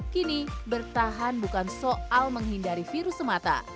kini bertahan bukan soal menghindari virus semata